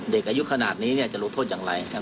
เด็กอายุขนาดนี้จะรู้โทษอย่างไร